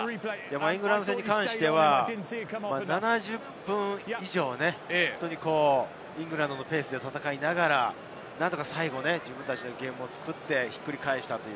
イングランド戦に関しては７０分以上、イングランドのペースで戦いながら、なんとか最後、自分たちのゲームを作って、ひっくり返した。